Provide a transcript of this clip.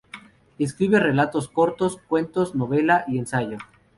Escribe relatos cortos, cuentos novela y ensayo.